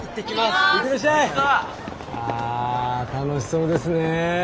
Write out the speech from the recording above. あ楽しそうですね。